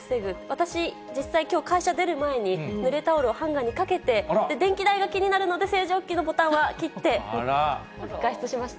私、実際、きょう会社出る前にぬれタオルをハンガーにかけて、電気代が気になるので、清浄機のボタンは切って外出しました。